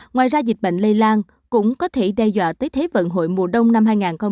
ngoài ra dịch bệnh lây lan cũng có thể đe dọa tới thế vận hội mùa đông năm hai nghìn hai mươi